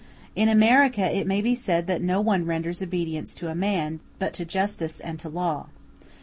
In America it may be said that no one renders obedience to man, but to justice and to law.